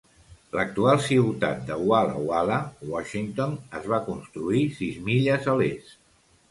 L'actual ciutat de Walla Walla, Washington, es va construir sis milles a l'est.